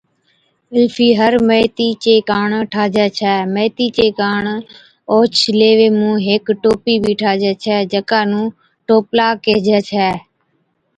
الفِي ھر ميٿِي چي ڪاڻ ٺاھجَي ڇَي۔ ميٿي چي ڪاڻ اوھچ ليوي مُون ھيڪ ٽوپِي بِي ٺاھجي ڇَي جڪا نُون ٽوپلا ڪيھجَي ڇَي